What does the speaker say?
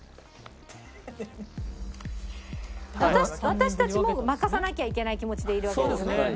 私たちも負かさなきゃいけない気持ちでいるわけですよね。